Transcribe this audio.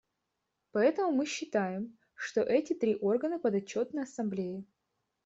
Поэтому мы считаем, что эти три органа подотчетны Ассамблее.